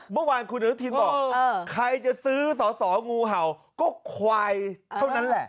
เมื่อวานคุณอนุทินบอกใครจะซื้อสอสองูเห่าก็ควายเท่านั้นแหละ